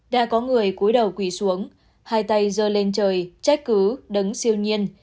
đã có người cuối đầu quỷ xuống hai tay dơ lên trời trách cứ đứng siêu nhiên